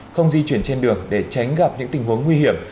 không di chuyển trên đường để tránh gặp những tình huống nguy hiểm